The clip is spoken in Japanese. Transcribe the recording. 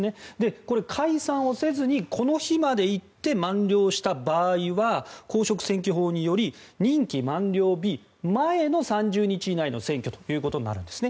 これ、解散をせずにこの日まで行って満了した場合は公職選挙法により任期満了日前の３０日以内の選挙ということになるんですね。